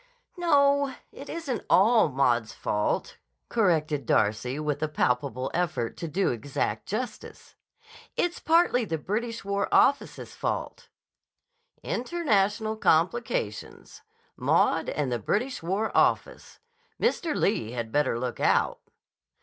"No; it isn't all Maud's fault," corrected Darcy with a palpable effort to do exact justice. "It's partly the British War Office's fault." "International complications. Maud and the British War Office. Mr. Lee had better look out!"